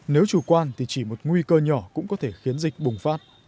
nếu chủ quan thì chỉ một nguy cơ nhỏ cũng có thể khiến dịch bùng phát